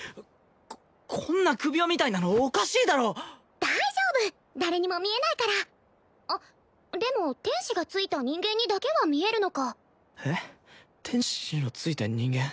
ここんな首輪みたいなのおかしいだろ大丈夫誰にも見えないからあっでも天使がついた人間にだけは見えるのかえっ天使のついた人間？